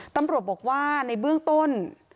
ตำรวจบอกว่าในเบื้องต้น